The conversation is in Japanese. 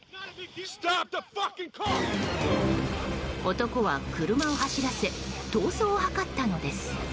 男は車を走らせ逃走を図ったのです。